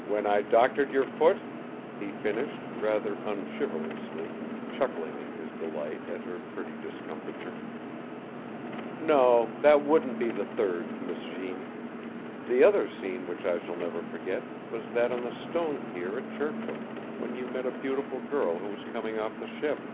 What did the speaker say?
"When I doctored your foot?" he finished, rather unchivalrously, chuckling in his delight at her pretty discomfiture. "No, that wouldn't be the third, Miss Jeanne. The other scene which I shall never forget was that on the stone pier at Churchill, when you met a beautiful girl who was coming off the ship."